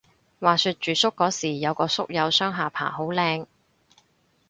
話說住宿嗰時有個宿友雙下巴好靚